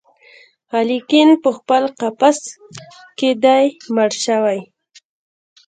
الیکین پخپل قفس کي دی مړ شوی